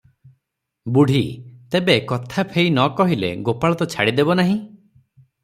ବୁଢୀ - ତେବେ, କଥା ଫେଇ ନ କହିଲେ ଗୋପାଳ ତ ଛାଡ଼ି ଦେବ ନାହିଁ ।